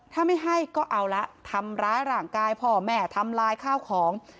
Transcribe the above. ถ้าไม่ให้ก็เอาละทำร้ายร่างกายพ่อแม่ทำลายข้าวของ